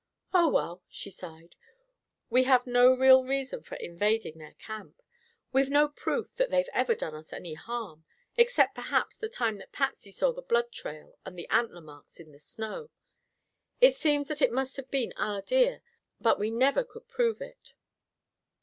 "Oh, well," she sighed, "we have no real reason for invading their camp. We've no proof that they've ever done us any harm; except, perhaps the time that Patsy saw the blood trail and the antler marks in the snow. It seems that it must have been our deer, but we never could prove it."